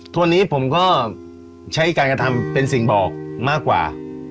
ตัวนี้ผมก็ใช้การกระทำเป็นสิ่งบอกมากกว่า